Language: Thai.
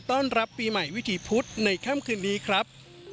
ต้อนรับปีใหม่วิถีพุธในค่ำคืนนี้ครับ